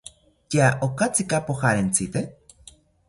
¿Tya okatsika pojarentsite?